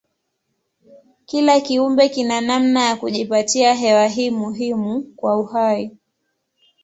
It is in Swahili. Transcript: Kila kiumbe kina namna ya kujipatia hewa hii muhimu kwa uhai.